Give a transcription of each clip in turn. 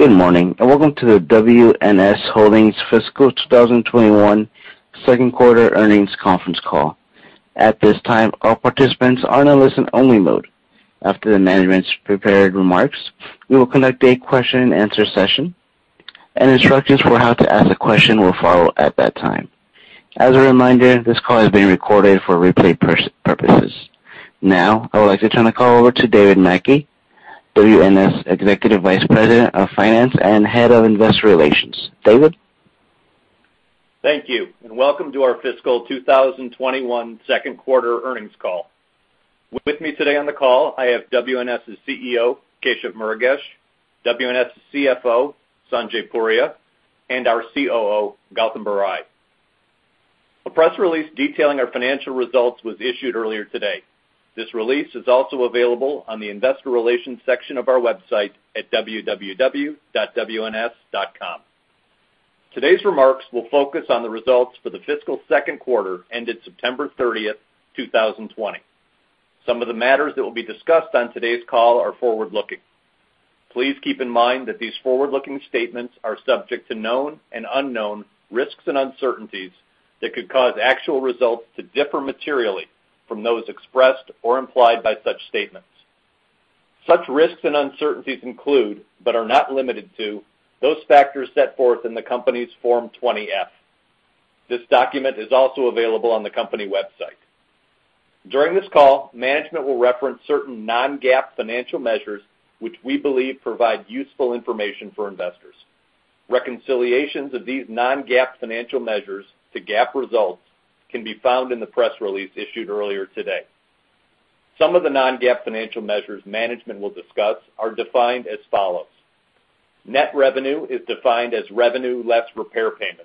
Good morning, and welcome to the WNS Holdings Fiscal 2021 Second Quarter Earnings Conference Call. At this time, all participants are in a listen-only mode. After the management's prepared remarks, we will conduct a question and answer session, and instructions for how to ask a question will follow at that time. As a reminder, this call is being recorded for replay purposes. Now, I would like to turn the call over to David Mackey, WNS Executive Vice President of Finance and Head of Investor Relations. David? Thank you, and welcome to our Fiscal 2021 second quarter earnings call. With me today on the call, I have WNS's CEO, Keshav Murugesh, WNS's CFO, Sanjay Puria, and our COO, Gautam Barai. A press release detailing our financial results was issued earlier today. This release is also available on the investor relations section of our website at www.wns.com. Today's remarks will focus on the results for the fiscal second quarter ended September 30th, 2020. Some of the matters that will be discussed on today's call are forward-looking. Please keep in mind that these forward-looking statements are subject to known and unknown risks and uncertainties that could cause actual results to differ materially from those expressed or implied by such statements. Such risks and uncertainties include, but are not limited to, those factors set forth in the company's Form 20-F. This document is also available on the company website. During this call, management will reference certain non-GAAP financial measures which we believe provide useful information for investors. Reconciliations of these non-GAAP financial measures to GAAP results can be found in the press release issued earlier today. Some of the non-GAAP financial measures management will discuss are defined as follows. Net revenue is defined as revenue less repair payments.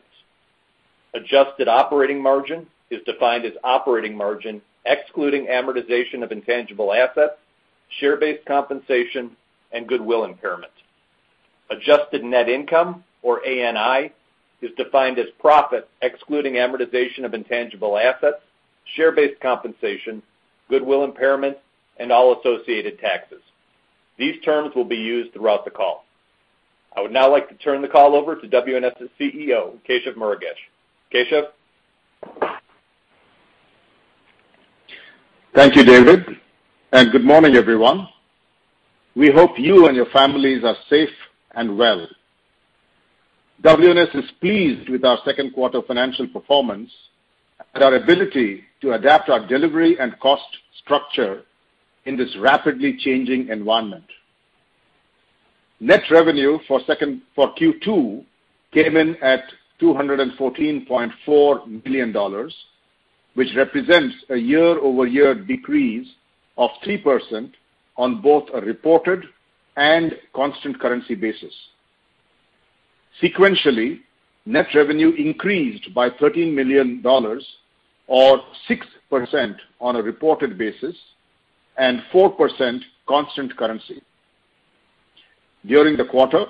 Adjusted operating margin is defined as operating margin excluding amortization of intangible assets, share-based compensation, and goodwill impairment. Adjusted net income or ANI is defined as profit excluding amortization of intangible assets, share-based compensation, goodwill impairment, and all associated taxes. These terms will be used throughout the call. I would now like to turn the call over to WNS's CEO, Keshav Murugesh. Keshav? Thank you, David. Good morning, everyone. We hope you and your families are safe and well. WNS is pleased with our second quarter financial performance and our ability to adapt our delivery and cost structure in this rapidly changing environment. Net revenue for Q2 came in at $214.4 million, which represents a year-over-year decrease of 3% on both a reported and constant currency basis. Sequentially, net revenue increased by $13 million or 6% on a reported basis and 4% constant currency. During the quarter,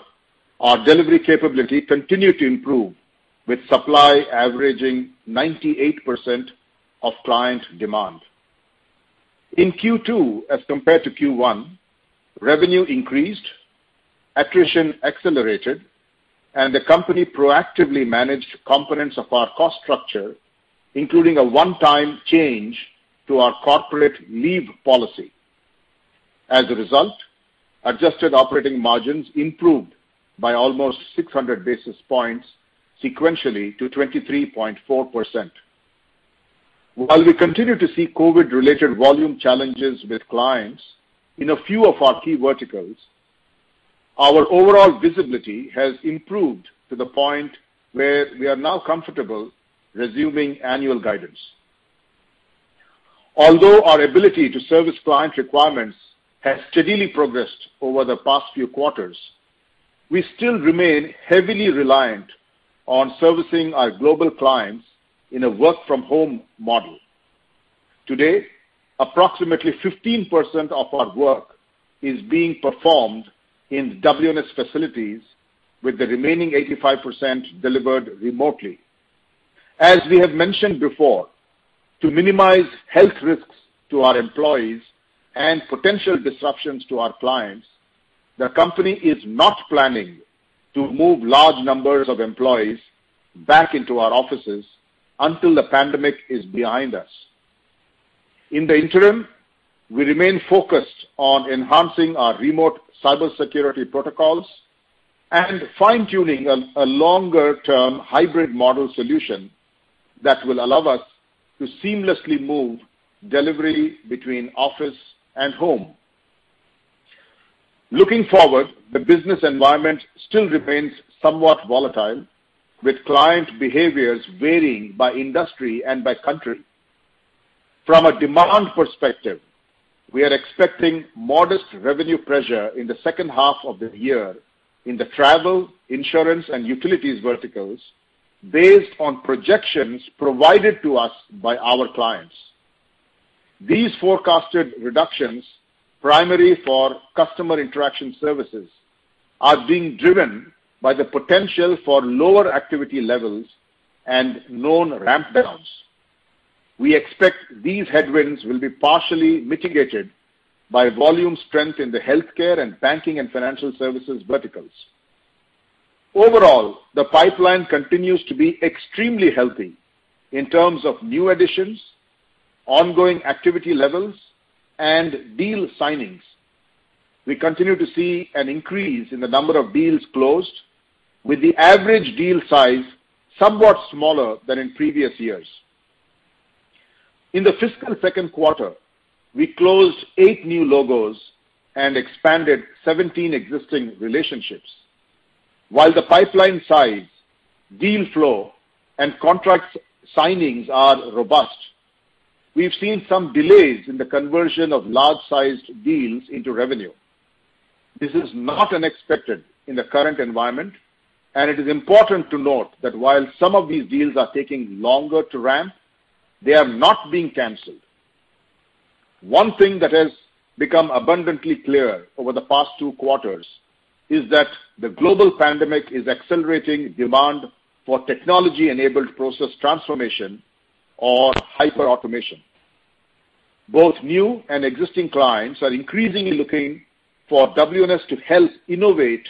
our delivery capability continued to improve, with supply averaging 98% of client demand. In Q2 as compared to Q1, revenue increased, attrition accelerated, and the company proactively managed components of our cost structure, including a one-time change to our corporate leave policy. As a result, adjusted operating margins improved by almost 600 basis points sequentially to 23.4%. While we continue to see COVID-related volume challenges with clients in a few of our key verticals, our overall visibility has improved to the point where we are now comfortable resuming annual guidance. Although our ability to service client requirements has steadily progressed over the past few quarters, we still remain heavily reliant on servicing our global clients in a work-from-home model. Today, approximately 15% of our work is being performed in WNS facilities, with the remaining 85% delivered remotely. As we have mentioned before, to minimize health risks to our employees and potential disruptions to our clients, the company is not planning to move large numbers of employees back into our offices until the pandemic is behind us. In the interim, we remain focused on enhancing our remote cybersecurity protocols and fine-tuning a longer-term hybrid model solution that will allow us to seamlessly move delivery between office and home. Looking forward, the business environment still remains somewhat volatile, with client behaviors varying by industry and by country. From a demand perspective, we are expecting modest revenue pressure in the second half of the year in the travel, insurance, and utilities verticals based on projections provided to us by our clients. These forecasted reductions, primarily for customer interaction services, are being driven by the potential for lower activity levels and known ramp downs. We expect these headwinds will be partially mitigated by volume strength in the healthcare and banking and financial services verticals. Overall, the pipeline continues to be extremely healthy in terms of new additions, ongoing activity levels, and deal signings. We continue to see an increase in the number of deals closed, with the average deal size somewhat smaller than in previous years. In the fiscal second quarter, we closed eight new logos and expanded 17 existing relationships. While the pipeline size, deal flow, and contract signings are robust, we've seen some delays in the conversion of large-sized deals into revenue. This is not unexpected in the current environment, and it is important to note that while some of these deals are taking longer to ramp, they are not being canceled. One thing that has become abundantly clear over the past two quarters is that the global pandemic is accelerating demand for technology-enabled process transformation or hyperautomation. Both new and existing clients are increasingly looking for WNS to help innovate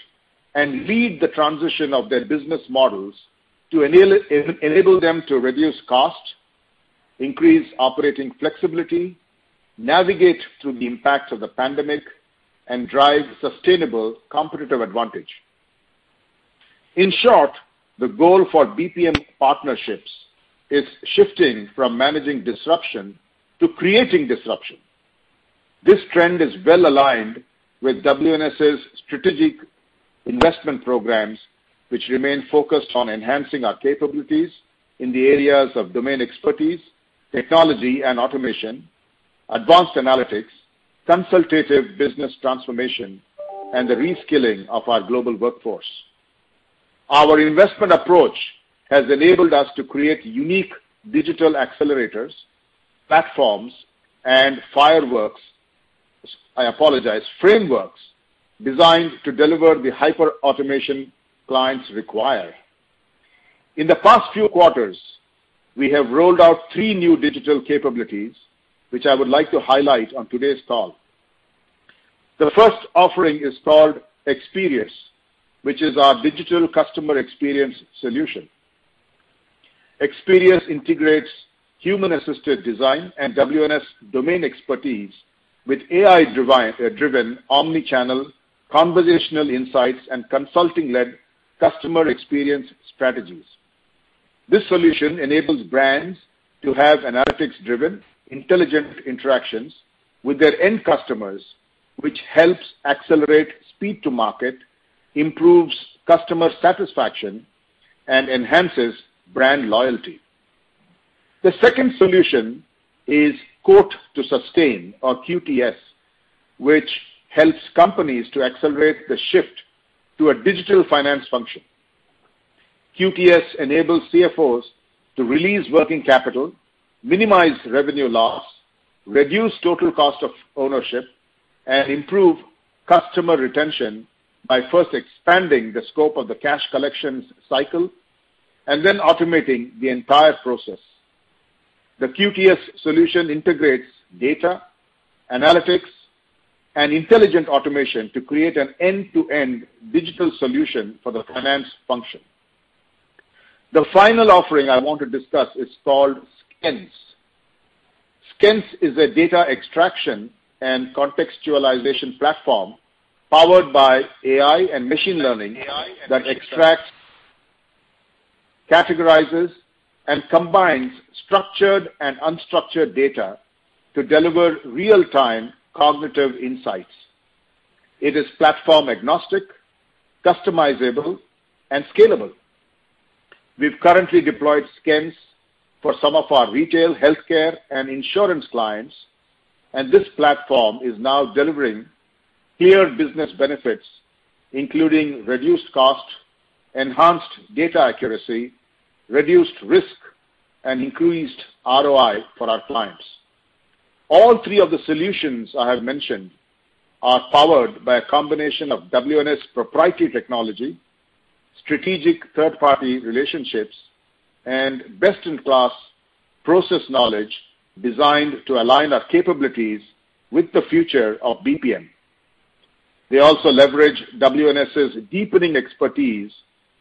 and lead the transition of their business models to enable them to reduce cost, increase operating flexibility, navigate through the impact of the pandemic, and drive sustainable competitive advantage. In short, the goal for BPM partnerships is shifting from managing disruption to creating disruption. This trend is well-aligned with WNS's strategic investment programs, which remain focused on enhancing our capabilities in the areas of domain expertise, technology and automation, advanced analytics, consultative business transformation, and the reskilling of our global workforce. Our investment approach has enabled us to create unique digital accelerators, platforms, and frameworks I apologize, frameworks designed to deliver the hyperautomation clients require. In the past few quarters, we have rolled out three new digital capabilities, which I would like to highlight on today's call. The first offering is called EXPIRIUS, which is our digital customer experience solution. EXPIRIUS integrates human-assisted design and WNS domain expertise with AI-driven omnichannel conversational insights and consulting-led customer experience strategies. This solution enables brands to have analytics-driven, intelligent interactions with their end customers, which helps accelerate speed to market, improves customer satisfaction, and enhances brand loyalty. The second solution is Quote-to-Sustain, or QTS, which helps companies to accelerate the shift to a digital finance function. QTS enables CFOs to release working capital, minimize revenue loss, reduce total cost of ownership, and improve customer retention by first expanding the scope of the cash collection cycle and then automating the entire process. The QTS solution integrates data, analytics, and intelligent automation to create an end-to-end digital solution for the finance function. The final offering I want to discuss is called SKENSE. SKENSE is a data extraction and contextualization platform powered by AI and machine learning that extracts, categorizes, and combines structured and unstructured data to deliver real-time cognitive insights. It is platform-agnostic, customizable, and scalable. We've currently deployed SKENSE for some of our retail, healthcare, and insurance clients, and this platform is now delivering clear business benefits, including reduced cost, enhanced data accuracy, reduced risk, and increased ROI for our clients. All three of the solutions I have mentioned are powered by a combination of WNS proprietary technology, strategic third-party relationships, and best-in-class process knowledge designed to align our capabilities with the future of BPM. They also leverage WNS's deepening expertise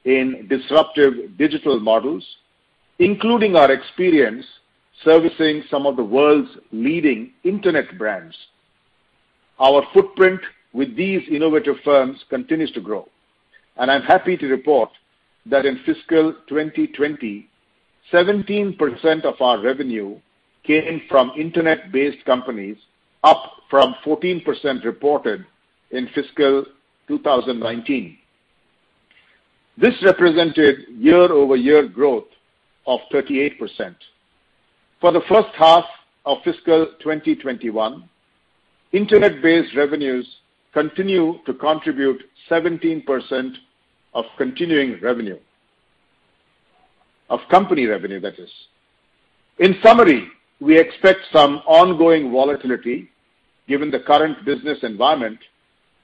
in disruptive digital models, including our experience servicing some of the world's leading internet brands. Our footprint with these innovative firms continues to grow, and I'm happy to report that in fiscal 2020, 17% of our revenue came from internet-based companies, up from 14% reported in fiscal 2019. This represented year-over-year growth of 38%. For the first half of fiscal 2021, internet-based revenues continue to contribute 17% of continuing revenue, of company revenue, that is. In summary, we expect some ongoing volatility given the current business environment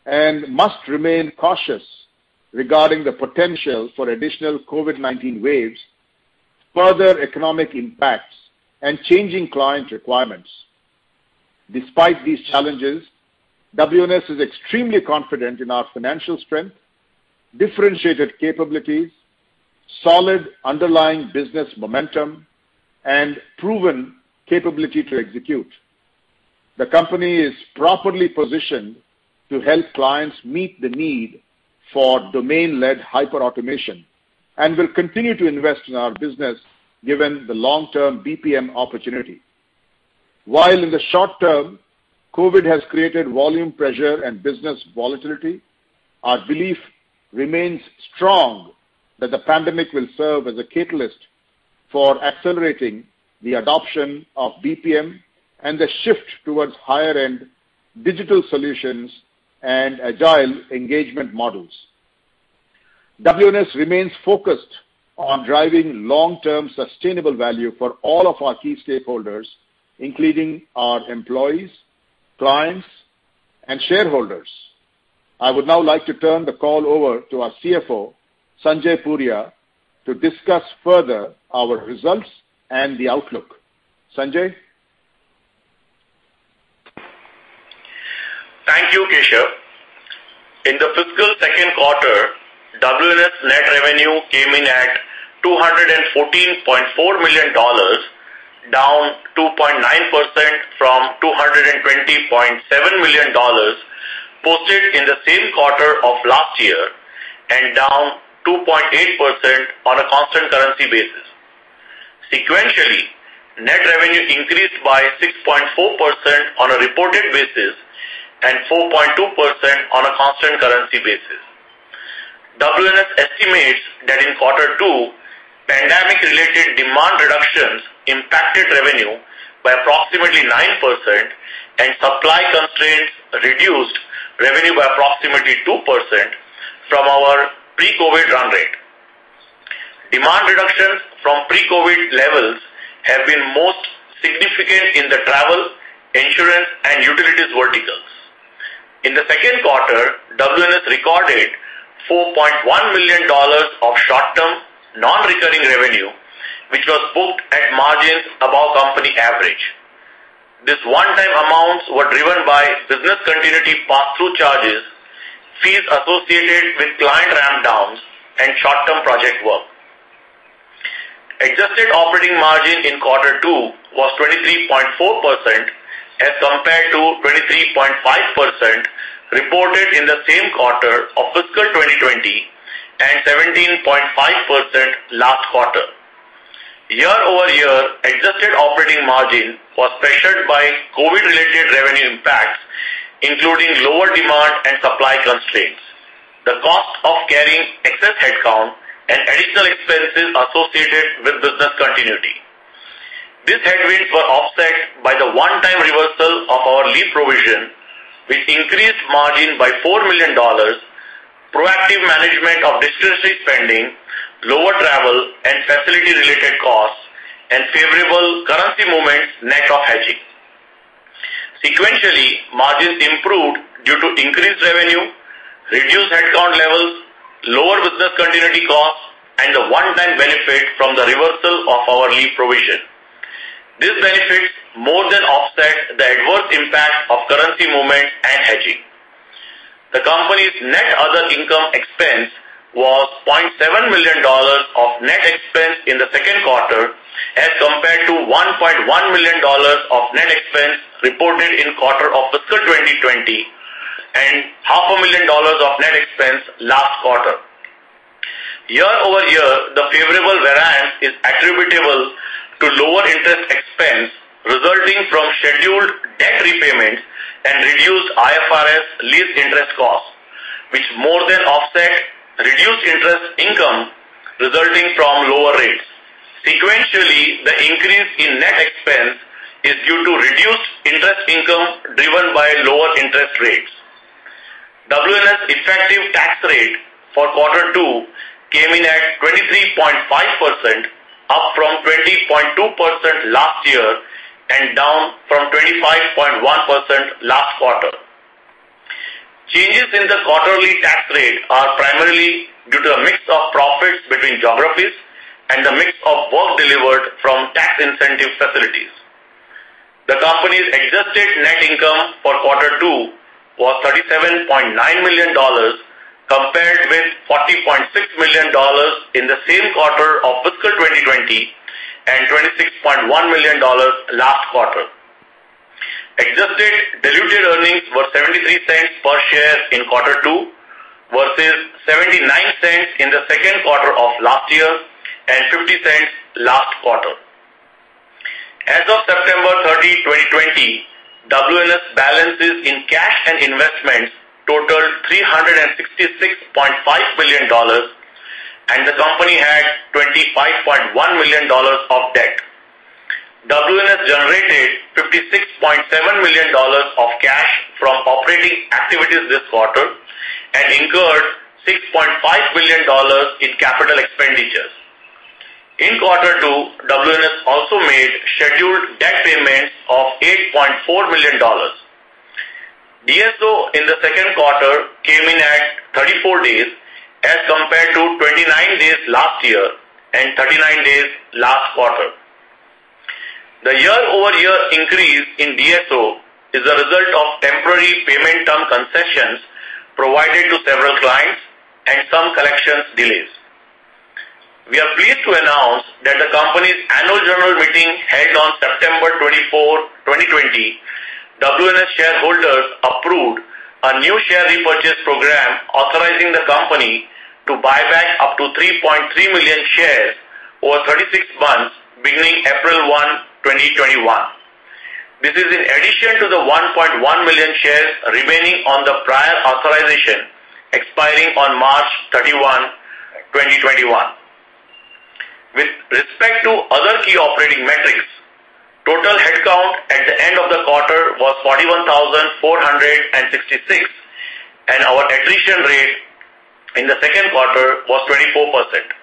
and must remain cautious regarding the potential for additional COVID-19 waves, further economic impacts, and changing client requirements. Despite these challenges, WNS is extremely confident in our financial strength, differentiated capabilities, solid underlying business momentum, and proven capability to execute. The company is properly positioned to help clients meet the need for domain-led hyperautomation and will continue to invest in our business given the long-term BPM opportunity. While in the short-term, COVID has created volume pressure and business volatility, our belief remains strong that the pandemic will serve as a catalyst for accelerating the adoption of BPM and the shift towards higher-end digital solutions and agile engagement models. WNS remains focused on driving long-term sustainable value for all of our key stakeholders, including our employees, clients, and shareholders. I would now like to turn the call over to our CFO, Sanjay Puria, to discuss further our results and the outlook. Sanjay? Thank you, Keshav. In the fiscal second quarter, WNS net revenue came in at $214.4 million, down 2.9% from $220.7 million posted in the same quarter of last year, and down 2.8% on a constant currency basis. Sequentially, net revenue increased by 6.4% on a reported basis and 4.2% on a constant currency basis. WNS estimates that in Quarter Two, pandemic-related demand reductions impacted revenue by approximately 9%, and supply constraints reduced revenue by approximately 2% from our pre-COVID run rate. Demand reductions from pre-COVID levels have been most significant in the travel, insurance, and utilities verticals. In the second quarter, WNS recorded $4.1 million of short-term, non-recurring revenue, which was booked at margins above company average. These one-time amounts were driven by business continuity pass-through charges, fees associated with client ramp downs, and short-term project work. Adjusted operating margin in Quarter Two was 23.4% as compared to 23.5% reported in the same quarter of fiscal 2020 and 17.5% last quarter. Year-over-year adjusted operating margin was pressured by COVID-related revenue impacts, including lower demand and supply constraints, the cost of carrying excess headcount, and additional expenses associated with business continuity. These headwinds were offset by the one-time reversal of our lease provision, which increased margin by $4 million, proactive management of discretionary spending, lower travel and facility-related costs, and favorable currency movements net of hedging. Sequentially, margins improved due to increased revenue, reduced headcount levels, lower business continuity costs, and the one-time benefit from the reversal of our lease provision. These benefits more than offset the adverse impact of currency movements and hedging. The company's net other income expense was $0.7 million of net expense in the second quarter as compared to $1.1 million of net expense reported in quarter of fiscal 2020 and $500,000 of net expense last quarter. Year-over-year, the favorable variance is attributable to lower interest expense resulting from scheduled debt repayments and reduced IFRS lease interest costs, which more than offset reduced interest income resulting from lower rates. Sequentially, the increase in net expense is due to reduced interest income driven by lower interest rates. WNS effective tax rate for Quarter Two came in at 23.5%, up from 20.2% last year and down from 25.1% last quarter. Changes in the quarterly tax rate are primarily due to a mix of profits between geographies and a mix of work delivered from tax incentive facilities. The company's adjusted net income for Quarter Two was $37.9 million, compared with $40.6 million in the same quarter of fiscal 2020 and $26.1 million last quarter. Adjusted diluted earnings were $0.73 per share in Quarter Two versus $0.79 in the second quarter of last year and $0.50 last quarter. As of September 30, 2020, WNS balances in cash and investments totaled $366.5 million, and the company had $25.1 million of debt. WNS generated $56.7 million of cash from operating activities this quarter and incurred $6.5 million in capital expenditures. Also made scheduled debt payments of $8.4 million. DSO in the second quarter came in at 34 days as compared to 29 days last year and 39 days last quarter. The year-over-year increase in DSO is a result of temporary payment term concessions provided to several clients and some collections delays. We are pleased to announce that the company's annual general meeting held on September 24, 2020, WNS shareholders approved a new share repurchase program authorizing the company to buy back up to 3.3 million shares over 36 months beginning April 1, 2021. This is in addition to the 1.1 million shares remaining on the prior authorization expiring on March 31, 2021. With respect to other key operating metrics, total headcount at the end of the quarter was 41,466, and our attrition rate in the second quarter was 24%,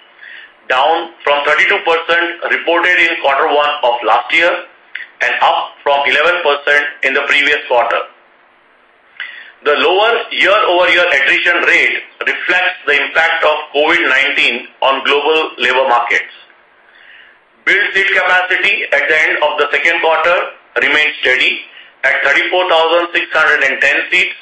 down from 32% reported in quarter one of last year and up from 11% in the previous quarter. The lower year-over-year attrition rate reflects the impact of COVID-19 on global labor markets. Built seat capacity at the end of the second quarter remains steady at 34,610 seats.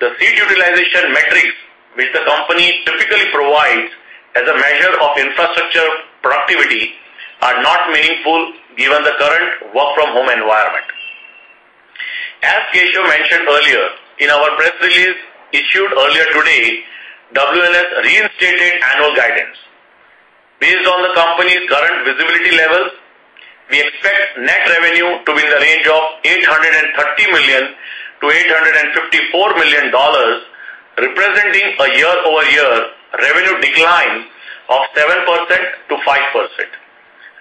The seat utilization metrics, which the company typically provides as a measure of infrastructure productivity, are not meaningful given the current work-from-home environment. As Keshav mentioned earlier, in our press release issued earlier today, WNS reinstated annual guidance. Based on the company's current visibility levels, we expect net revenue to be in the range of $830 million-$854 million, representing a year-over-year revenue decline of 7%-5%.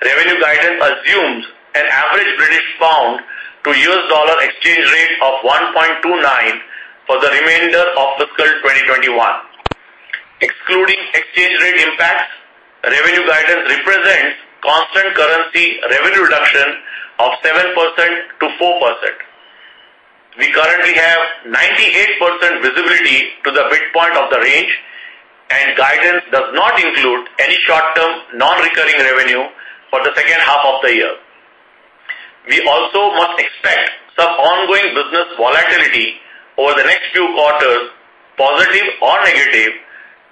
Revenue guidance assumes an average British pound to US dollar exchange rate of 1.29 for the remainder of fiscal 2021. Excluding exchange rate impacts, revenue guidance represents constant currency revenue reduction of 7%-4%. We currently have 98% visibility to the midpoint of the range, and guidance does not include any short-term non-recurring revenue for the second half of the year. We also must expect some ongoing business volatility over the next few quarters, positive or negative,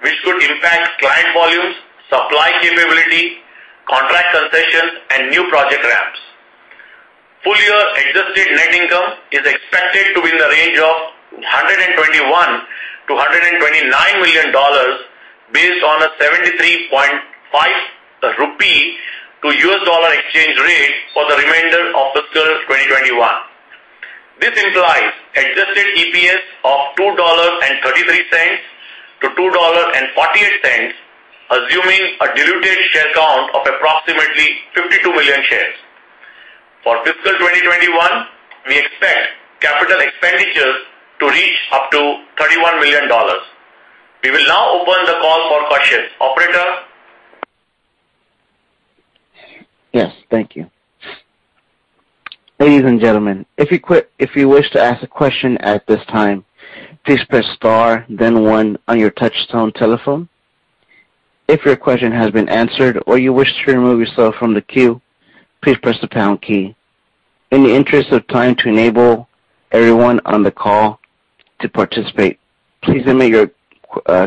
which could impact client volumes, supply capability, contract concessions, and new project ramps. Full-year adjusted net income is expected to be in the range of $121 million-$129 million based on a 73.5 rupee to US dollar exchange rate for the remainder of fiscal 2021. This implies adjusted EPS of $2.33-$2.48, assuming a diluted share count of approximately 52 million shares. For fiscal 2021, we expect capital expenditures to reach up to $31 million. We will now open the call for questions. Operator? Yes. Thank you. In the interest of time to enable everyone on the call to participate, please limit your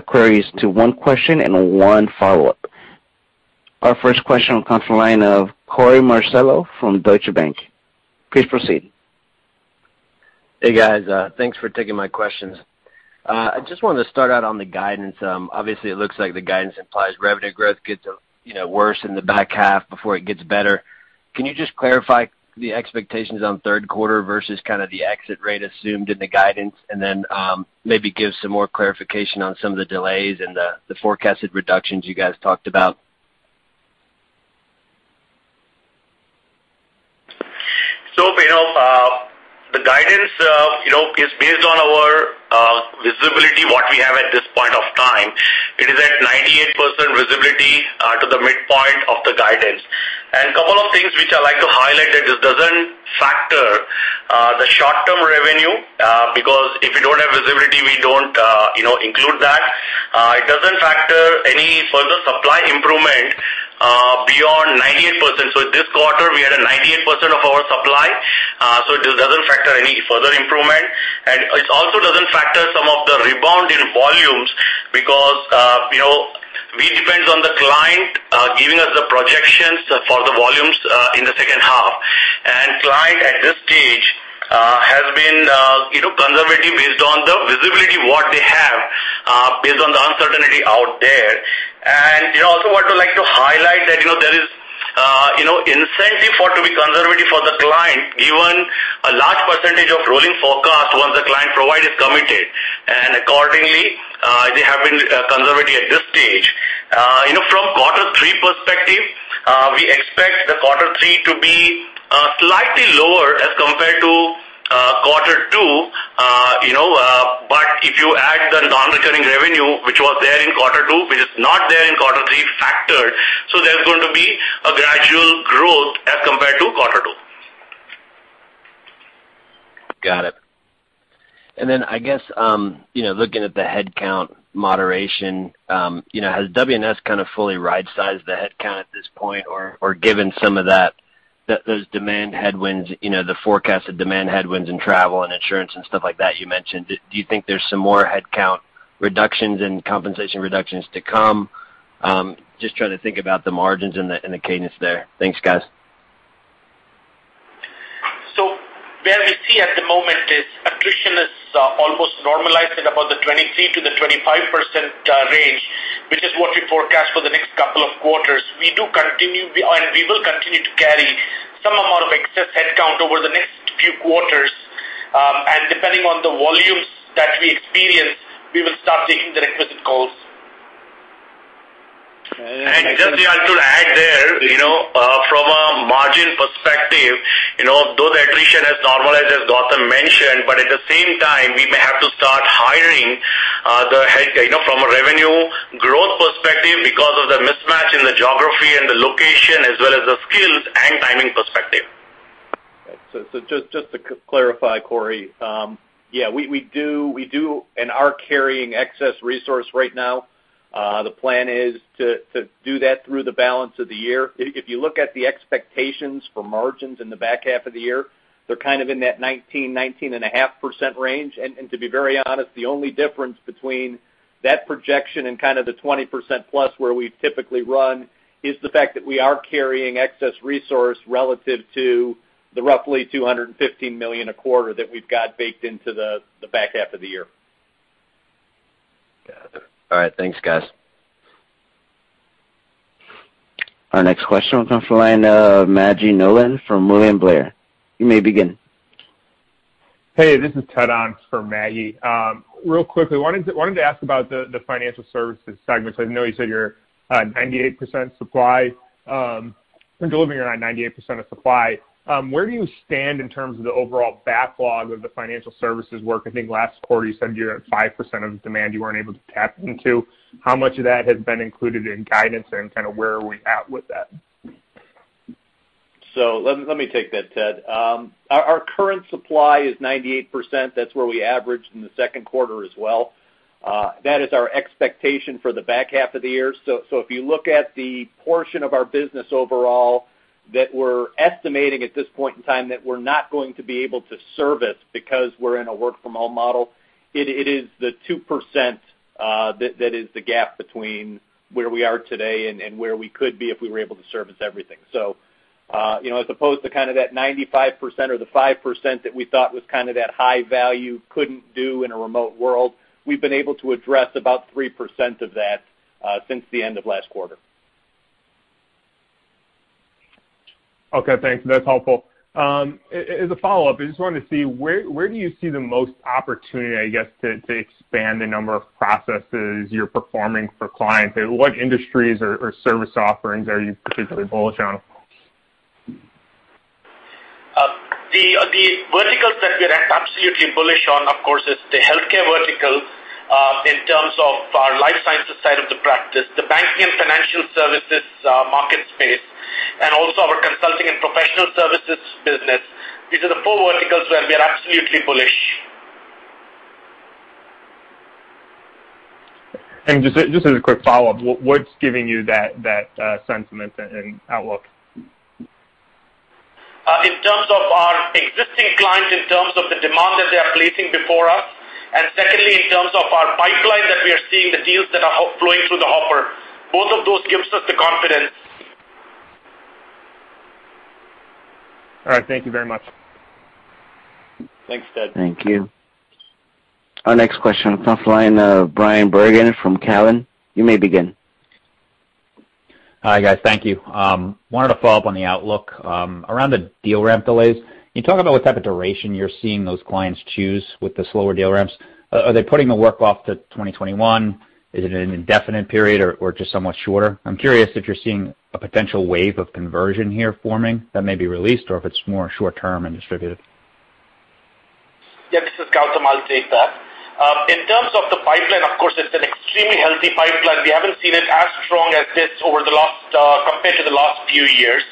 queries to one question and one follow-up. Our first question comes from the line of Korey Marcello from Deutsche Bank. Please proceed. Hey, guys. Thanks for taking my questions. I just wanted to start out on the guidance. Obviously, it looks like the guidance implies revenue growth gets worse in the back half before it gets better. Can you just clarify the expectations on third quarter versus kind of the exit rate assumed in the guidance, and then maybe give some more clarification on some of the delays and the forecasted reductions you guys talked about? The guidance is based on our visibility, what we have at this point of time. It is at 98% visibility to the midpoint of the guidance. Couple of things which I like to highlight, that this doesn't factor the short-term revenue, because if we don't have visibility, we don't include that. It doesn't factor any further supply improvement beyond 98%. This quarter, we are at 98% of our supply, so it doesn't factor any further improvement. It also doesn't factor some of the rebound in volumes because we depend on the client giving us the projections for the volumes in the second half. Client at this stage has been conservative based on the visibility, what they have, based on the uncertainty out there. Also I want to like to highlight that there is incentive for to be conservative for the client, given a large percentage of rolling forecast once the client provide is committed. Accordingly, they have been conservative at this stage. From quarter three perspective, we expect the quarter three to be. Which is not there in quarter three factored. There's going to be a gradual growth as compared to quarter two. Got it. I guess, looking at the headcount moderation, has WNS kind of fully right-sized the headcount at this point? Given some of those demand headwinds, the forecasted demand headwinds in travel and insurance and stuff like that you mentioned, do you think there's some more headcount reductions and compensation reductions to come? Just trying to think about the margins and the cadence there. Thanks, guys. Where we see at the moment is attrition is almost normalized at about the 23%-25% range, which is what we forecast for the next couple of quarters. We will continue to carry some amount of excess headcount over the next few quarters, and depending on the volumes that we experience, we will start taking the requisite calls. And I guess- Just to add there, from a margin perspective, though the attrition has normalized, as Gautam mentioned, but at the same time, we may have to start hiring the head count from a revenue growth perspective because of the mismatch in the geography and the location as well as the skills and timing perspective. Just to clarify, Korey. Yeah, we do and are carrying excess resource right now. The plan is to do that through the balance of the year. If you look at the expectations for margins in the back half of the year, they're kind of in that 19%-19.5% range. To be very honest, the only difference between that projection and kind of the 20%+ where we typically run is the fact that we are carrying excess resource relative to the roughly $215 million a quarter that we've got baked into the back half of the year. Got it. All right, thanks, guys. Our next question will come from the line of Maggie Nolan from William Blair. You may begin. Hey, this is Ted Once for Maggie. Real quickly, wanted to ask about the financial services segment. I know you said you're 98% supply, and delivering around 98% of supply. Where do you stand in terms of the overall backlog of the financial services work? I think last quarter you said you're at 5% of the demand you weren't able to tap into. How much of that has been included in guidance and kind of where are we at with that? Let me take that, Ted. Our current supply is 98%. That's where we averaged in the second quarter as well. That is our expectation for the back half of the year. If you look at the portion of our business overall that we're estimating at this point in time that we're not going to be able to service because we're in a work-from-home model, it is the 2% that is the gap between where we are today and where we could be if we were able to service everything. As opposed to kind of that 95% or the 5% that we thought was kind of that high value couldn't do in a remote world, we've been able to address about 3% of that, since the end of last quarter. Okay, thanks. That's helpful. As a follow-up, I just wanted to see, where do you see the most opportunity, I guess, to expand the number of processes you're performing for clients? What industries or service offerings are you particularly bullish on? The verticals that we are absolutely bullish on, of course, is the healthcare vertical, in terms of our life sciences side of the practice, the banking and financial services market space, and also our consulting and professional services business. These are the four verticals where we are absolutely bullish. Just as a quick follow-up, what's giving you that sentiment and outlook? In terms of our existing clients, in terms of the demand that they are placing before us, and secondly, in terms of our pipeline that we are seeing the deals that are flowing through the hopper. Both of those gives us the confidence. All right, thank you very much. Thanks, Ted. Thank you. Our next question comes from the line of Bryan Bergen from Cowen. You may begin. Hi, guys. Thank you. I wanted to follow up on the outlook. Around the deal ramp delays, can you talk about what type of duration you're seeing those clients choose with the slower deal ramps? Are they putting the work off to 2021? Is it an indefinite period or just somewhat shorter? I'm curious if you're seeing a potential wave of conversion here forming that may be released or if it's more short-term and distributed. Yeah, this is Gautam. I'll take that. In terms of the pipeline, of course, it's an extremely healthy pipeline. We haven't seen it as strong as this compared to the last few years.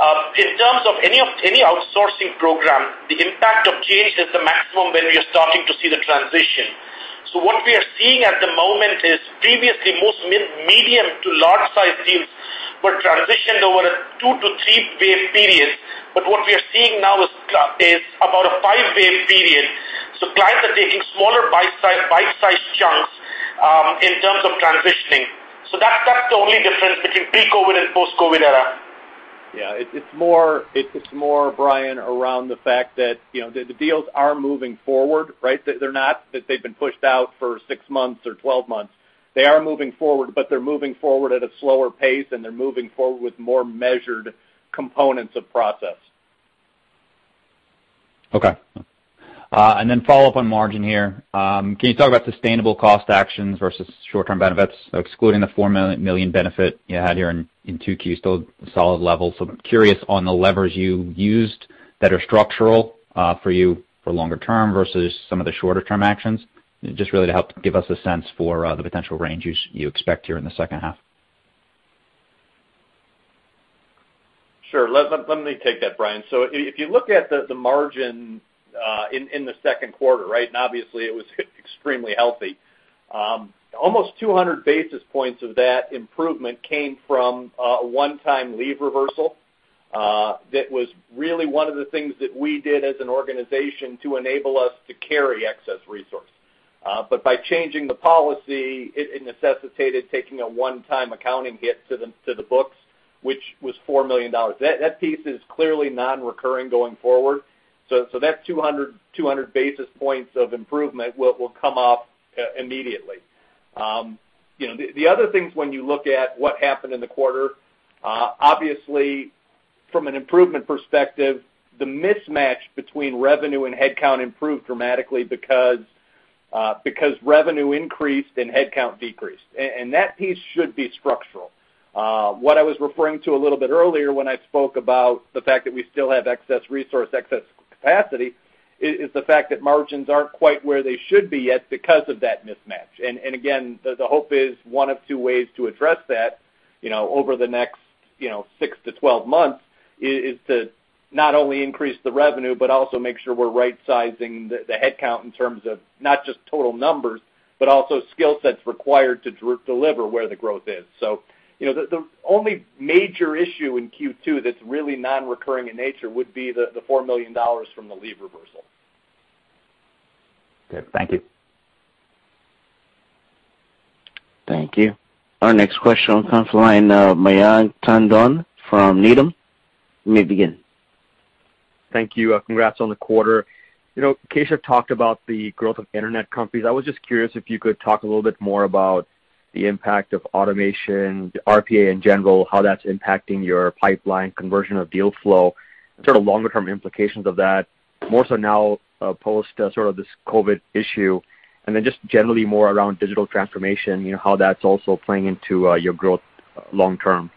In terms of any outsourcing program, the impact of change is the maximum when we are starting to see the transition. What we are seeing at the moment is previously most medium to large size deals were transitioned over a two to three-wave period. What we are seeing now is about a five-wave period. Clients are taking smaller bite-sized chunks, in terms of transitioning. That's the only difference between pre-COVID and post-COVID era. Yeah. It's more, Bryan, around the fact that the deals are moving forward, right? They've been pushed out for six months or 12 months. They are moving forward, but they're moving forward at a slower pace, and they're moving forward with more measured components of process. Okay. Follow up on margin here. Can you talk about sustainable cost actions versus short-term benefits? Excluding the $4 million benefit you had here in 2Q, still solid levels. I'm curious on the levers you used that are structural for you for longer term versus some of the shorter-term actions. Just really to help give us a sense for the potential range you expect here in the second half. Sure. Let me take that, Bryan. If you look at the margin in the second quarter, right? Obviously, it was extremely healthy. Almost 200 basis points of that improvement came from a one-time leave reversal. That was really one of the things that we did as an organization to enable us to carry excess resource. By changing the policy, it necessitated taking a one-time accounting hit to the books, which was $4 million. That piece is clearly non-recurring going forward. That 200 basis points of improvement will come off immediately. The other things when you look at what happened in the quarter, obviously, from an improvement perspective, the mismatch between revenue and headcount improved dramatically because revenue increased and headcount decreased. That piece should be structural. What I was referring to a little bit earlier when I spoke about the fact that we still have excess resource, excess capacity, is the fact that margins aren't quite where they should be yet because of that mismatch. Again, the hope is one of two ways to address that over the next six to 12 months is to not only increase the revenue but also make sure we're right-sizing the headcount in terms of not just total numbers, but also skill sets required to deliver where the growth is. The only major issue in Q2 that's really non-recurring in nature would be the $4 million from the leave reversal. Good. Thank you. Thank you. Our next question comes from the line, Mayank Tandon from Needham. You may begin. Thank you. Congrats on the quarter. Keshav talked about the growth of internet companies. I was just curious if you could talk a little bit more about the impact of automation, the RPA in general, how that's impacting your pipeline conversion of deal flow, sort of longer-term implications of that, more so now post sort of this COVID issue, and then just generally more around digital transformation, how that's also playing into your growth long-term.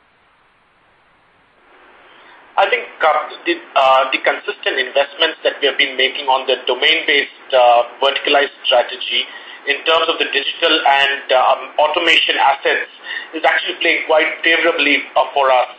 I think, Mayank, the consistent investments that we have been making on the domain-based verticalized strategy in terms of the digital and automation assets is actually playing quite favorably for us.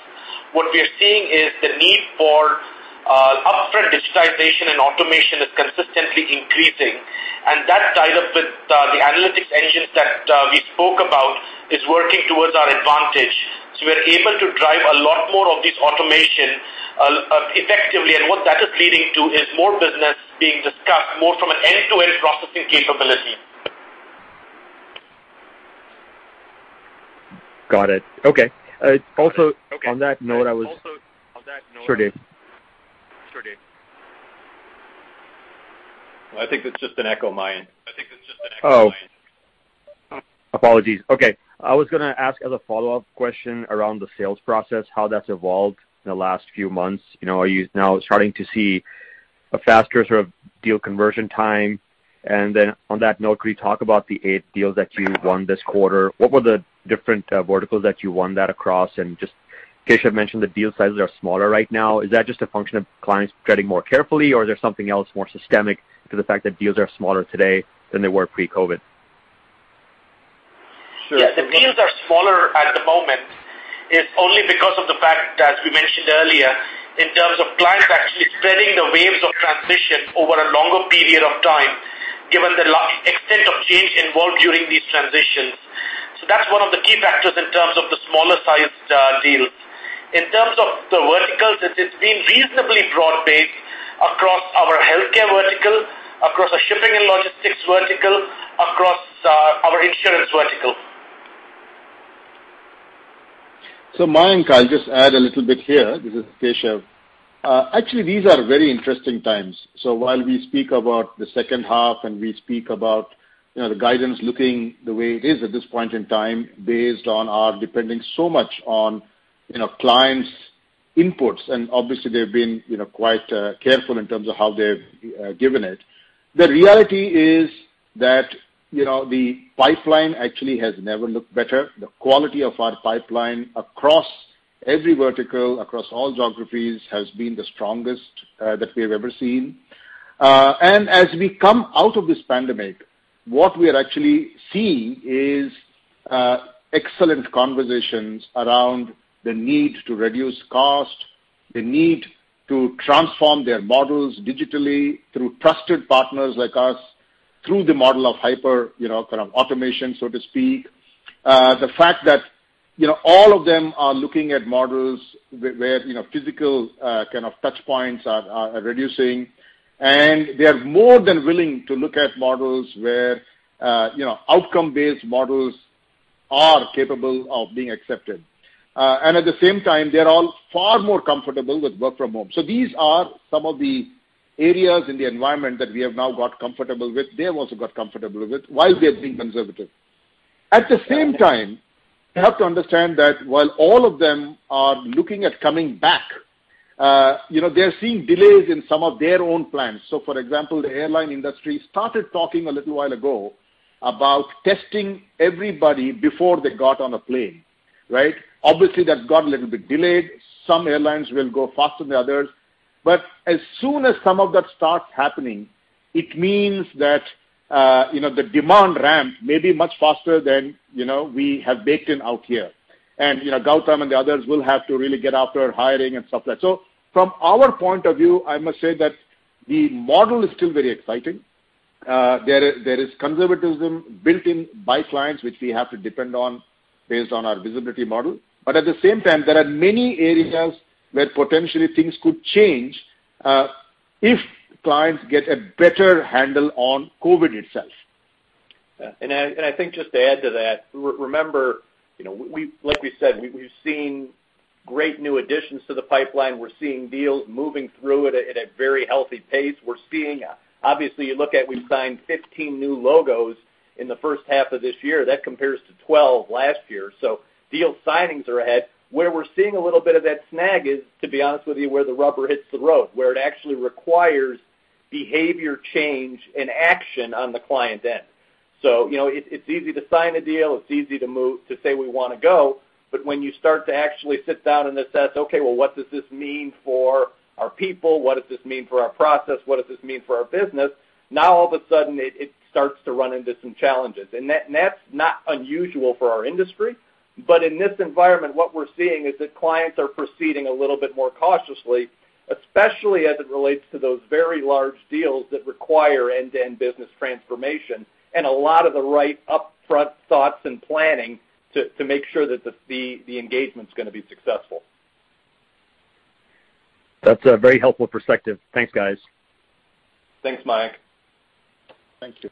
What we are seeing is the need for upfront digitization and automation is consistently increasing, and that ties up with the analytics engines that we spoke about is working towards our advantage. We are able to drive a lot more of this automation effectively, and what that is leading to is more business being discussed more from an end-to-end processing capability. Got it. Okay. Also, on that note. On that note. Sure, Dave. Sure, Dave. I think that's just an echo of mine. Oh. Apologies. Okay. I was gonna ask as a follow-up question around the sales process, how that's evolved in the last few months. Are you now starting to see a faster sort of deal conversion time? On that note, could you talk about the eight deals that you won this quarter? What were the different verticals that you won that across? Just Keshav mentioned the deal sizes are smaller right now. Is that just a function of clients treading more carefully, or is there something else more systemic to the fact that deals are smaller today than they were pre-COVID? Sure. Yeah. The deals are smaller at the moment. It's only because of the fact, as we mentioned earlier, in terms of clients actually spreading the waves of transition over a longer period of time, given the extent of change involved during these transitions. That's one of the key factors in terms of the smaller sized deals. In terms of the verticals, it's been reasonably broad-based across our healthcare vertical, across our shipping and logistics vertical, across our insurance vertical. Mayank, I'll just add a little bit here. This is Keshav. Actually, these are very interesting times. While we speak about the second half and we speak about the guidance looking the way it is at this point in time, based on our depending so much on clients' inputs, and obviously, they've been quite careful in terms of how they've given it. The reality is that the pipeline actually has never looked better. The quality of our pipeline across every vertical, across all geographies, has been the strongest that we have ever seen. As we come out of this pandemic, what we are actually seeing is excellent conversations around the need to reduce cost, the need to transform their models digitally through trusted partners like us, through the model of hyperautomation, so to speak. The fact that all of them are looking at models where physical kind of touchpoints are reducing, and they are more than willing to look at models where outcome-based models are capable of being accepted. At the same time, they're all far more comfortable with work from home. These are some of the areas in the environment that we have now got comfortable with. They have also got comfortable with while they're being conservative. At the same time, you have to understand that while all of them are looking at coming back, they're seeing delays in some of their own plans. For example, the airline industry started talking a little while ago about testing everybody before they got on a plane, right? Obviously, that got a little bit delayed. Some airlines will go faster than the others. As soon as some of that starts happening, it means that the demand ramp may be much faster than we have baked in out here. Gautam and the others will have to really get after hiring and stuff like. From our point of view, I must say that the model is still very exciting. There is conservatism built in by clients, which we have to depend on based on our visibility model. At the same time, there are many areas where potentially things could change, if clients get a better handle on COVID itself. Yeah. I think just to add to that, remember, like we said, we've seen great new additions to the pipeline. We're seeing deals moving through at a very healthy pace. Obviously, you look at we've signed 15 new logos in the first half of this year. That compares to 12 last year. Deal signings are ahead. Where we're seeing a little bit of that snag is, to be honest with you, where the rubber hits the road, where it actually requires behavior change and action on the client end. It's easy to sign a deal, it's easy to say we want to go, but when you start to actually sit down and assess, okay, well, what does this mean for our people? What does this mean for our process? What does this mean for our business? All of a sudden, it starts to run into some challenges. That's not unusual for our industry. In this environment, what we're seeing is that clients are proceeding a little bit more cautiously, especially as it relates to those very large deals that require end-to-end business transformation and a lot of the right upfront thoughts and planning to make sure that the engagement's going to be successful. That's a very helpful perspective. Thanks, guys. Thanks, Mayank. Thank you.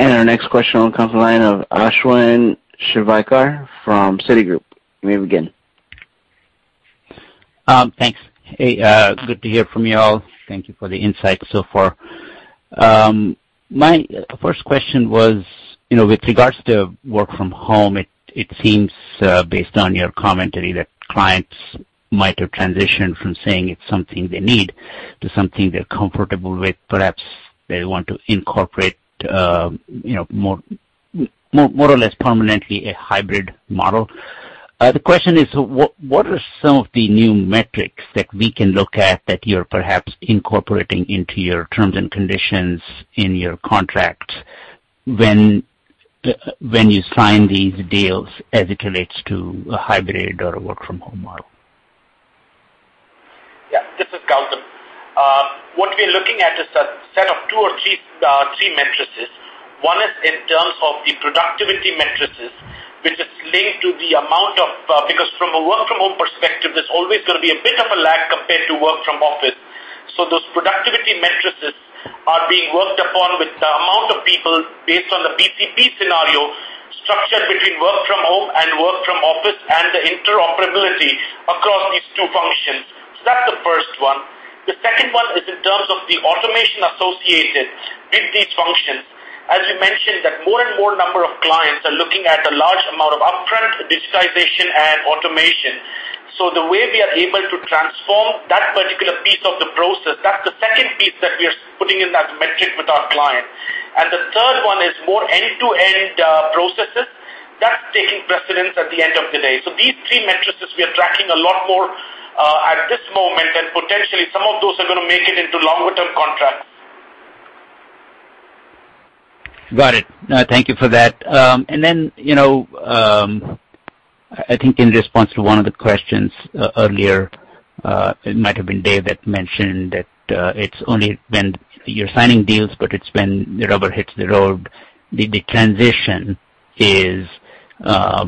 Our next question comes the line of Ashwin Shivaikar from Citigroup. You may begin. Thanks. Hey, good to hear from you all. Thank you for the insight so far. My first question was, with regards to work from home, it seems, based on your commentary, that clients might have transitioned from saying it's something they need to something they're comfortable with. Perhaps they want to incorporate more or less permanently a hybrid model. The question is, what are some of the new metrics that we can look at that you're perhaps incorporating into your terms and conditions in your contracts when you sign these deals as it relates to a hybrid or a work from home model? This is Gautam. What we're looking at is a set of two or three metrics. One is in terms of the productivity metrics, which is linked to the amount of. Because from a work from home perspective, there's always going to be a bit of a lag compared to work from office. Those productivity metrics are being worked upon with the amount of people based on the BCP scenario, structured between work from home and work from office, and the interoperability across these two functions. That's the first one. The second one is in terms of the automation associated with these functions. As you mentioned, that more and more number of clients are looking at a large amount of upfront digitization and automation. The way we are able to transform that particular piece of the process, that's the second piece that we are putting in that metric with our client. The third one is more end-to-end processes. That's taking precedence at the end of the day. These three metrics we are tracking a lot more, at this moment, and potentially some of those are going to make it into longer-term contracts. Got it. Thank you for that. I think in response to one of the questions earlier, it might have been Dave that mentioned that it's only when you're signing deals, but it's when the rubber hits the road, the transition is a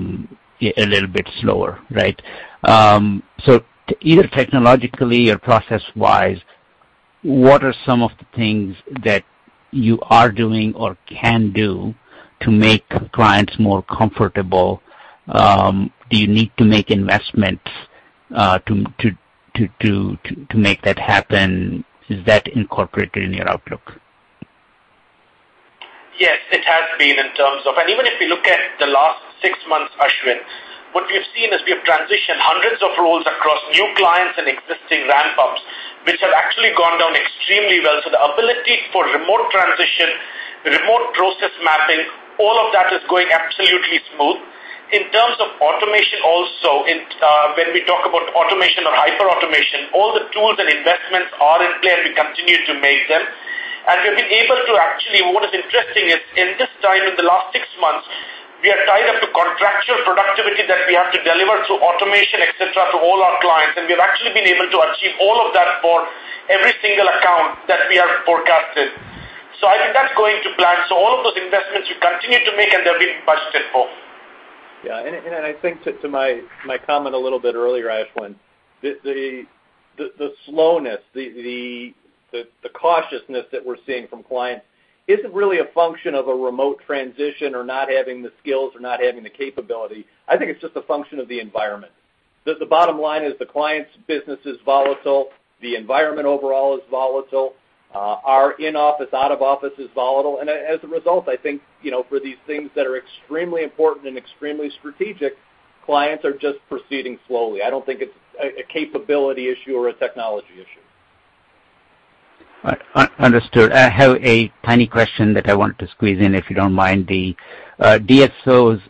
little bit slower, right? Either technologically or process-wise, what are some of the things that you are doing or can do to make clients more comfortable? Do you need to make investments to make that happen? Is that incorporated in your outlook? Yes, it has been. Even if you look at the last six months, Ashwin, what we've seen is we've transitioned hundreds of roles across new clients and existing ramp-ups, which have actually gone down extremely well. The ability for remote transition, remote process mapping, all of that is going absolutely smooth. In terms of automation also, when we talk about automation or hyperautomation, all the tools and investments are in play, and we continue to make them. What is interesting is in this time, in the last six months, we are tied up to contractual productivity that we have to deliver through automation, et cetera, to all our clients. We have actually been able to achieve all of that for every single account that we have forecasted. I think that's going to plan. All of those investments we continue to make, and they're being budgeted for. Yeah. I think to my comment a little bit earlier, Ashwin, the slowness, the cautiousness that we're seeing from clients isn't really a function of a remote transition or not having the skills or not having the capability. I think it's just a function of the environment. The bottom line is the client's business is volatile, the environment overall is volatile, our in-office, out-of-office is volatile, and as a result, I think, for these things that are extremely important and extremely strategic, clients are just proceeding slowly. I don't think it's a capability issue or a technology issue. Understood. I have a tiny question that I wanted to squeeze in, if you don't mind. The DSOs,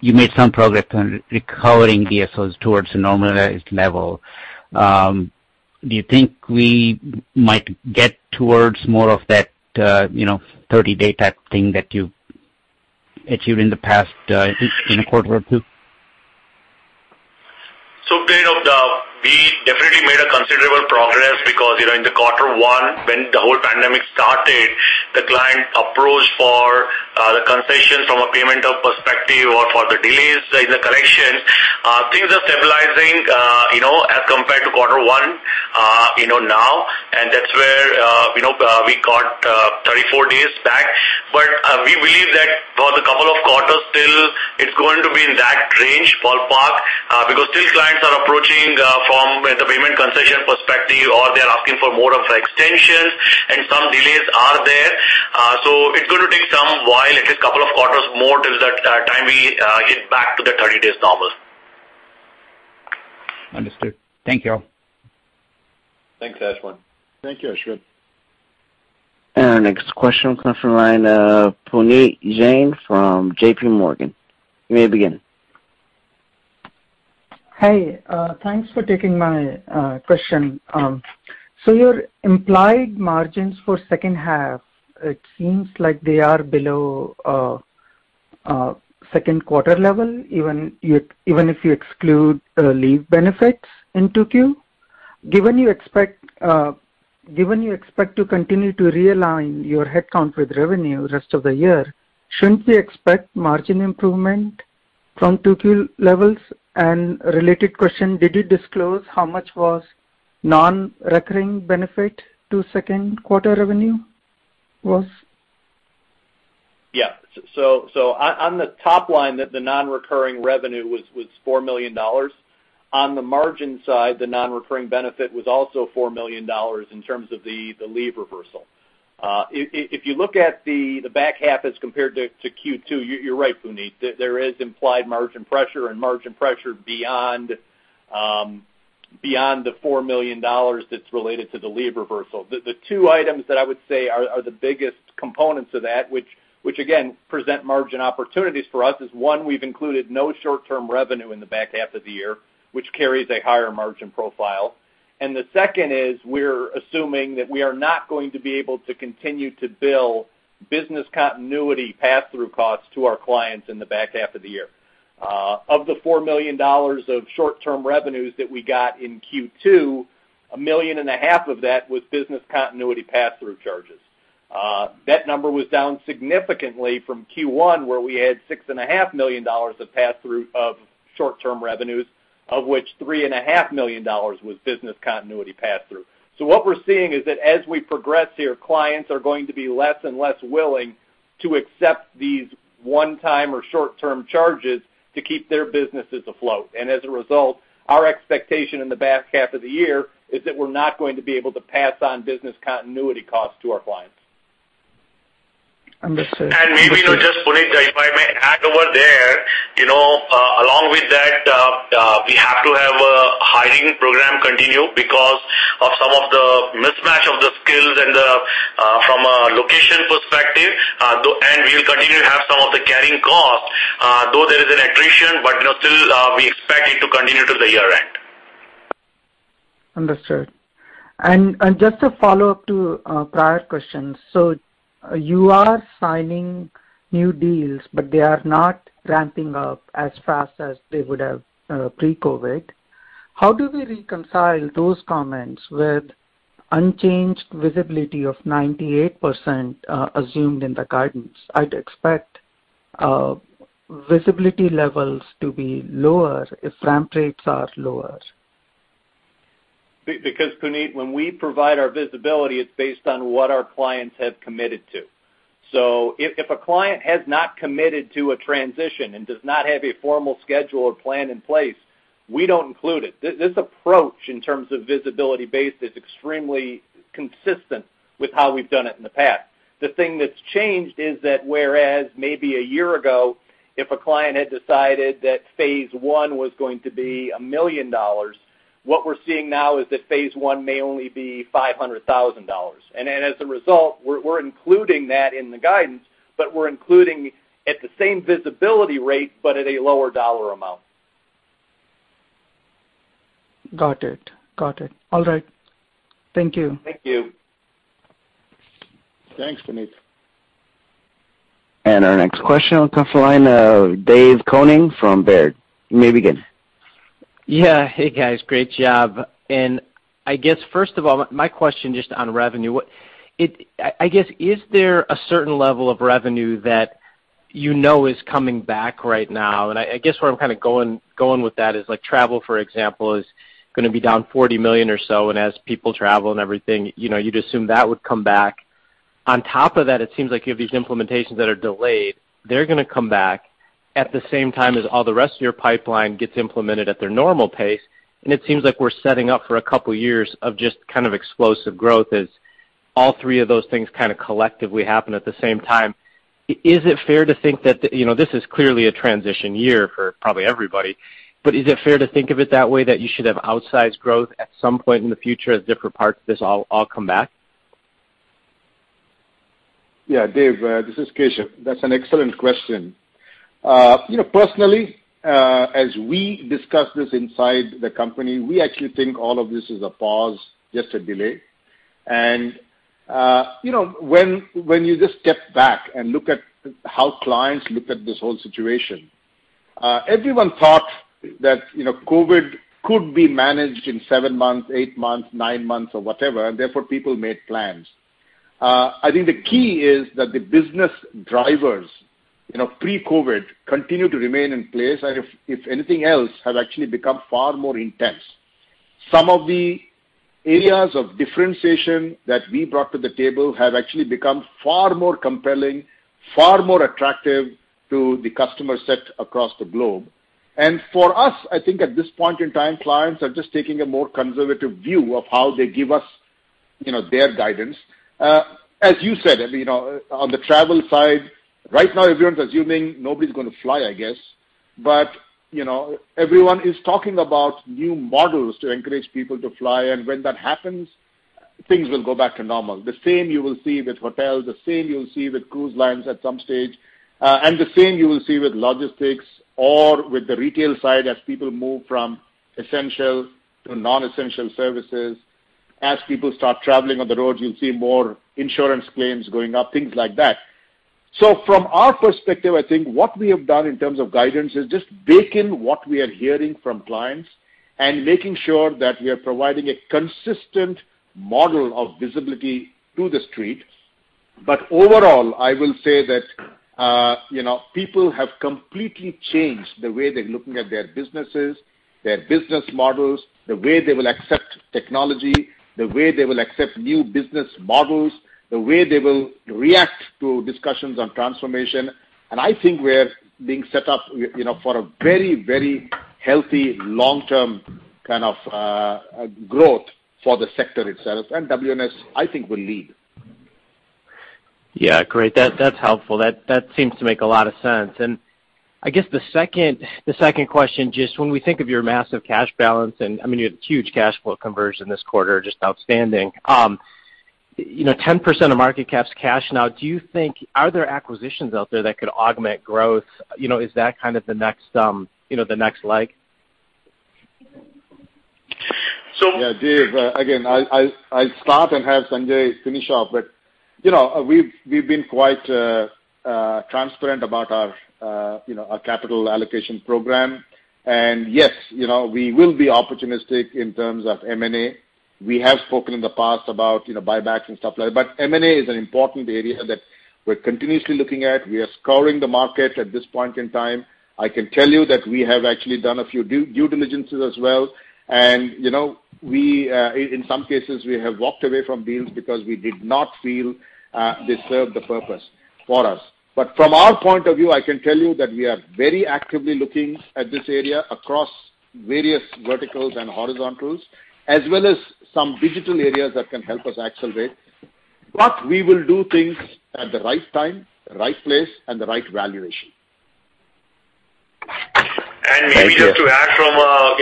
you made some progress on recovering DSOs towards a normalized level. Do you think we might get towards more of that 30-day type thing that you achieved in the past, I think, in a quarter or two? We definitely made a considerable progress because, in the quarter one, when the whole pandemic started, the client approached for the concession from a payment of perspective or for the delays in the collection. Things are stabilizing as compared to quarter one, now. That's where we got 34 days back. We believe that for the couple of quarters still, it's going to be in that range, ballpark. Still clients are approaching from the payment concession perspective or they're asking for more of the extensions and some delays are there. It's going to take some while, at least couple of quarters more till that time we get back to the 30 days normal. Understood. Thank you all. Thanks, Ashwin. Thank you, Ashwin. Our next question comes from the line of Puneet Jain from JP Morgan. You may begin. Hi. Thanks for taking my question. Your implied margins for second half, it seems like they are below second quarter level, even if you exclude leave benefits in 2Q. Given you expect to continue to realign your headcount with revenue rest of the year, shouldn't we expect margin improvement from 2Q levels? Related question, did you disclose how much was non-recurring benefit to second quarter revenue was? On the top line, the non-recurring revenue was $4 million. On the margin side, the non-recurring benefit was also $4 million in terms of the leave reversal. If you look at the back half as compared to Q2, you're right, Puneet. There is implied margin pressure and margin pressure beyond the $4 million that's related to the leave reversal. The two items that I would say are the biggest components of that which, again, present margin opportunities for us is, one, we've included no short-term revenue in the back half of the year, which carries a higher margin profile. The second is we're assuming that we are not going to be able to continue to bill business continuity pass-through costs to our clients in the back half of the year. Of the $4 million of short-term revenues that we got in Q2, $1.5 million of that was business continuity pass-through charges. That number was down significantly from Q1 where we had $6.5 million of pass-through of short-term revenues, of which $3.5 million was business continuity pass-through. What we're seeing is that as we progress here, clients are going to be less and less willing to accept these one-time or short-term charges to keep their businesses afloat. As a result, our expectation in the back half of the year is that we're not going to be able to pass on business continuity costs to our clients. Understood. Maybe now just, Puneet, if I may add over there. Along with that, we have to have a hiring program continue because of some of the mismatch of the skills and from a location perspective, and we will continue to have some of the carrying costs. Though there is an attrition, but still, we expect it to continue to the year-end. Understood. Just a follow-up to a prior question. You are signing new deals, but they are not ramping up as fast as they would have pre-COVID. How do we reconcile those comments with unchanged visibility of 98% assumed in the guidance? I'd expect visibility levels to be lower if ramp rates are lower. Puneet, when we provide our visibility, it's based on what our clients have committed to. If a client has not committed to a transition and does not have a formal schedule or plan in place, we don't include it. This approach in terms of visibility base is extremely consistent with how we've done it in the past. The thing that's changed is that, whereas maybe a year ago, if a client had decided that phase one was going to be $1 million, what we're seeing now is that phase one may only be $500,000. As a result, we're including that in the guidance, but we're including at the same visibility rate, but at a lower dollar amount. Got it. All right. Thank you. Thank you. Thanks, Puneet. Our next question comes from the line of Dave Koning from Baird. You may begin. Yeah. Hey, guys. Great job. I guess, first of all, my question just on revenue. I guess, is there a certain level of revenue that you know is coming back right now? I guess where I'm kind of going with that is, like travel, for example, is going to be down $40 million or so, and as people travel and everything, you'd assume that would come back. On top of that, it seems like you have these implementations that are delayed. They're going to come back at the same time as all the rest of your pipeline gets implemented at their normal pace, and it seems like we're setting up for a couple years of just kind of explosive growth as- All three of those things kind of collectively happen at the same time. This is clearly a transition year for probably everybody, but is it fair to think of it that way, that you should have outsized growth at some point in the future as different parts of this all come back? Yeah, Dave, this is Keshav. That's an excellent question. Personally, as we discuss this inside the company, we actually think all of this is a pause, just a delay. When you just step back and look at how clients look at this whole situation, everyone thought that COVID could be managed in seven months, eight months, nine months, or whatever, and therefore people made plans. I think the key is that the business drivers pre-COVID continue to remain in place. If anything else, have actually become far more intense. Some of the areas of differentiation that we brought to the table have actually become far more compelling, far more attractive to the customer set across the globe. For us, I think at this point in time, clients are just taking a more conservative view of how they give us their guidance. As you said, on the travel side, right now, everyone's assuming nobody's going to fly, I guess. Everyone is talking about new models to encourage people to fly. When that happens, things will go back to normal. The same you will see with hotels, the same you'll see with cruise lines at some stage, and the same you will see with logistics or with the retail side as people move from essential to non-essential services. As people start traveling on the road, you'll see more insurance claims going up, things like that. From our perspective, I think what we have done in terms of guidance is just bake in what we are hearing from clients and making sure that we are providing a consistent model of visibility to The Street. Overall, I will say that people have completely changed the way they're looking at their businesses, their business models, the way they will accept technology, the way they will accept new business models, the way they will react to discussions on transformation. I think we're being set up for a very healthy, long-term kind of growth for the sector itself. WNS, I think, will lead. Yeah, great. That's helpful. That seems to make a lot of sense. I guess the second question, just when we think of your massive cash balance, and you had huge cash flow conversion this quarter, just outstanding. 10% of market cap's cash now. Are there acquisitions out there that could augment growth? Is that kind of the next leg? Yeah, Dave, again, I'll start and have Sanjay finish off, but we've been quite transparent about our capital allocation program. Yes, we will be opportunistic in terms of M&A. We have spoken in the past about buybacks and stuff like that, but M&A is an important area that we're continuously looking at. We are scouring the market at this point in time. I can tell you that we have actually done a few due diligences as well. In some cases, we have walked away from deals because we did not feel they served the purpose for us. From our point of view, I can tell you that we are very actively looking at this area across various verticals and horizontals, as well as some digital areas that can help us accelerate. We will do things at the right time, right place, and the right valuation. Maybe just to add from a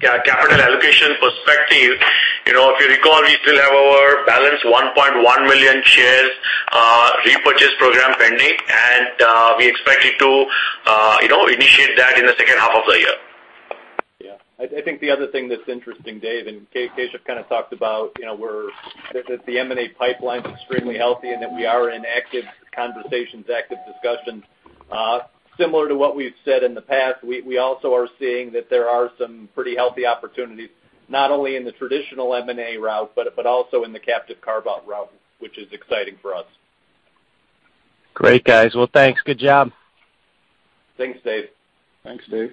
capital allocation perspective, if you recall, we still have our balance 1.1 million shares repurchase program pending, and we expect it to initiate that in the second half of the year. I think the other thing that's interesting, Dave, and Keshav kind of talked about that the M&A pipeline's extremely healthy and that we are in active conversations, active discussions. Similar to what we've said in the past, we also are seeing that there are some pretty healthy opportunities, not only in the traditional M&A route, but also in the captive carve-out route, which is exciting for us. Great, guys. Well, thanks. Good job. Thanks, Dave. Thanks, Dave.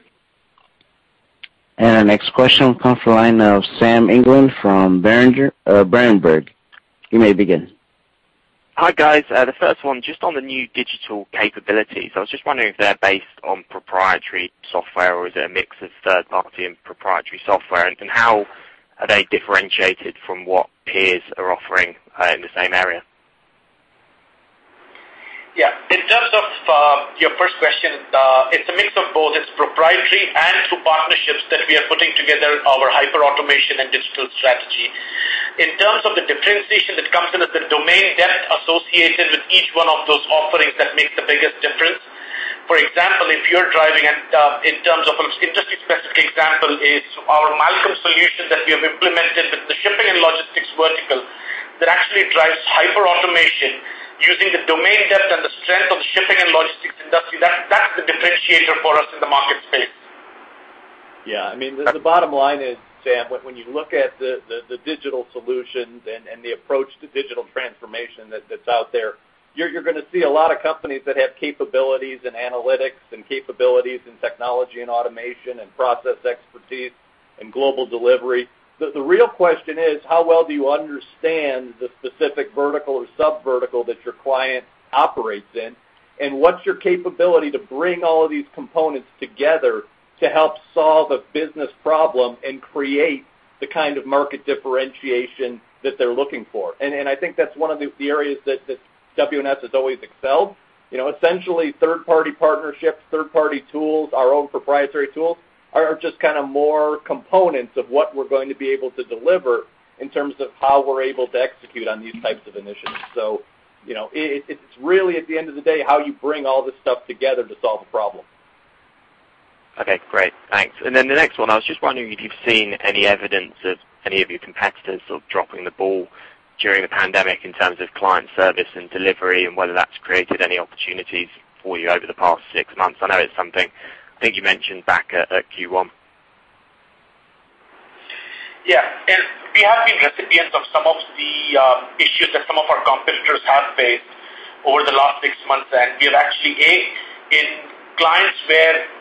Our next question comes from the line of Sam England from Berenberg. You may begin. Hi, guys. The first one, just on the new digital capabilities. I was just wondering if they're based on proprietary software, or is it a mix of third-party and proprietary software? How are they differentiated from what peers are offering in the same area? Yeah. In terms of your first question, it's a mix of both. It's proprietary and through partnerships that we are putting together our hyperautomation and digital strategy. In terms of the differentiation that comes into the domain depth associated with each one of those offerings, that makes the biggest difference. For example, an industry-specific example is our Malkom solution that we have implemented with the shipping and logistics vertical that actually drives hyperautomation using the domain depth and the strength of the shipping and logistics industry. That's the differentiator for us in the market space. Yeah. The bottom line is, Sam, when you look at the digital solutions and the approach to digital transformation that's out there, you're going to see a lot of companies that have capabilities in analytics and capabilities in technology and automation and process expertise and global delivery. The real question is, how well do you understand the specific vertical or subvertical that your client operates in? What's your capability to bring all of these components together to help solve a business problem and create The kind of market differentiation that they're looking for. I think that's one of the areas that WNS has always excelled. Essentially, third-party partnerships, third-party tools, our own proprietary tools, are just more components of what we're going to be able to deliver in terms of how we're able to execute on these types of initiatives. It's really, at the end of the day, how you bring all this stuff together to solve a problem. Okay, great. Thanks. The next one, I was just wondering if you've seen any evidence of any of your competitors sort of dropping the ball during the pandemic in terms of client service and delivery, and whether that's created any opportunities for you over the past six months. I know it's something I think you mentioned back at Q1. Yeah. We have been recipients of some of the issues that some of our competitors have faced over the last six months. We have actually, A, in clients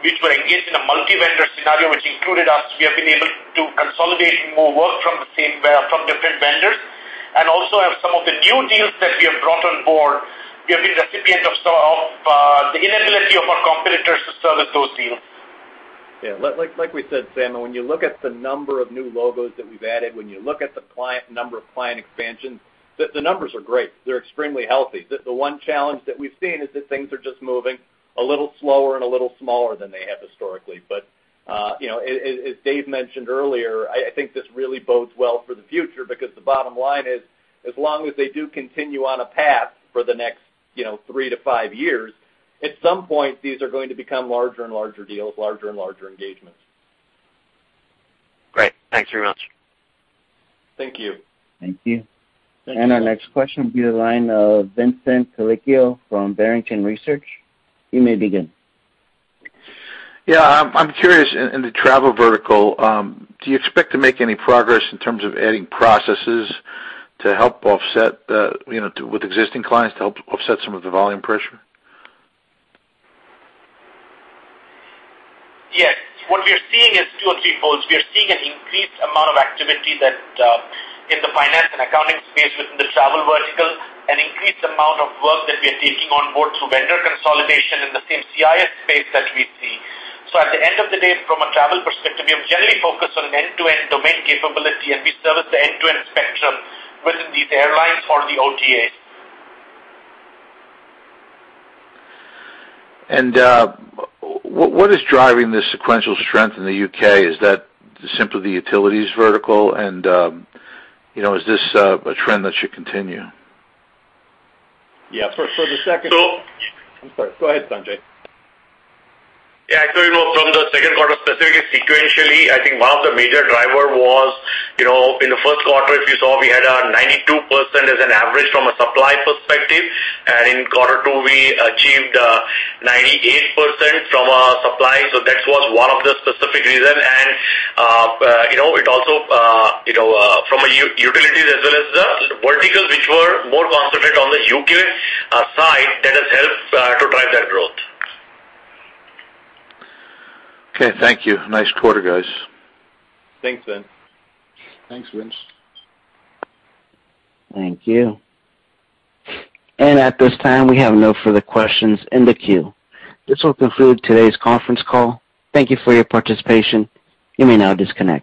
which were engaged in a multi-vendor scenario which included us, we have been able to consolidate more work from different vendors. Also have some of the new deals that we have brought on board, we have been recipient of the inability of our competitors to service those deals. Yeah. Like we said, Samuel, when you look at the number of new logos that we've added, when you look at the number of client expansions, the numbers are great. They're extremely healthy. The one challenge that we've seen is that things are just moving a little slower and a little smaller than they have historically. As Dave mentioned earlier, I think this really bodes well for the future because the bottom line is, as long as they do continue on a path for the next three to five years, at some point, these are going to become larger and larger deals, larger and larger engagements. Great. Thanks very much. Thank you. Thank you. Thank you. Our next question will be the line of Vincent Colicchio from Barrington Research. You may begin. Yeah. I'm curious, in the travel vertical, do you expect to make any progress in terms of adding processes to help offset with existing clients to help offset some of the volume pressure? Yes. What we are seeing is two or three folds. We are seeing an increased amount of activity that, in the Finance & Accounting space within the travel vertical, an increased amount of work that we are taking on board through vendor consolidation in the same CIS space that we see. At the end of the day, from a travel perspective, we are generally focused on end-to-end domain capability, and we service the end-to-end spectrum within these airlines or the OTAs. What is driving this sequential strength in the U.K.? Is that simply the utilities vertical? Is this a trend that should continue? Yeah. So- I'm sorry. Go ahead, Sanjay. Yeah. From the second quarter specifically, sequentially, I think one of the major driver was, in the first quarter, if you saw, we had a 92% as an average from a supply perspective. In quarter two, we achieved 98% from our supply. That was one of the specific reason. It also, from a utilities as well as the verticals which were more concentrated on the U.K. side, that has helped to drive that growth. Okay, thank you. Nice quarter, guys. Thanks, Vin. Thanks, Vince. Thank you. At this time, we have no further questions in the queue. This will conclude today's conference call. Thank you for your participation. You may now disconnect.